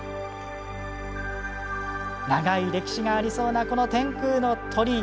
長い歴史がありそうなこの天空の鳥居。